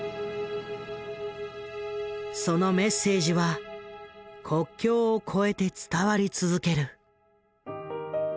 そのメッセージは国境を超えて伝わり続ける。